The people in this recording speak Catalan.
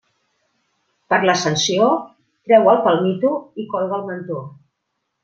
Per l'Ascensió, trau el palmito i colga el mantó.